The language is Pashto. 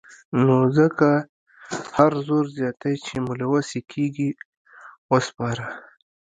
نو ځکه هر زور زياتی چې مو له وسې کېږي وسپاره.